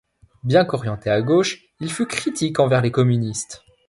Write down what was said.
Bien qu'orienté à gauche, il fut critique envers les communistes.